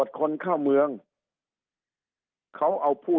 สุดท้ายก็ต้านไม่อยู่